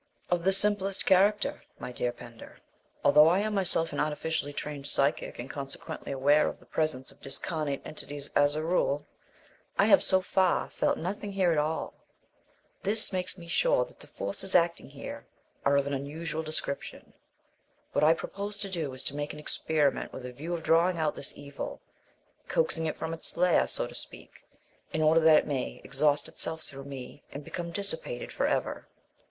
"Of the simplest character, my dear Mr. Pender. Although I am myself an artificially trained psychic, and consequently aware of the presence of discarnate entities as a rule, I have so far felt nothing here at all. This makes me sure that the forces acting here are of an unusual description. What I propose to do is to make an experiment with a view of drawing out this evil, coaxing it from its lair, so to speak, in order that it may exhaust itself through me and become dissipated for ever.